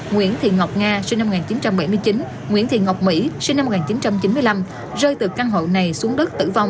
nguyễn thị ngọc nga sinh năm một nghìn chín trăm bảy mươi chín nguyễn thị ngọc mỹ sinh năm một nghìn chín trăm chín mươi năm rơi từ căn hộ này xuống đất tử vong